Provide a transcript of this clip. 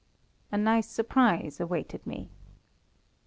A nice surprise awaited me.